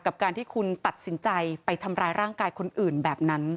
กับการที่คุณตัดสินใจไปทำร้ายร่างกายคนอื่นแบบนั้น